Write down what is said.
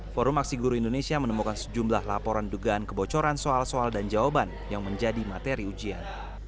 forum aksi guru indonesia menemukan sejumlah laporan dugaan kebocoran soal soal dan jawaban yang menjadi materi ujian